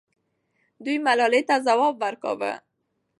دوی ملالۍ ته ځواب ورکاوه.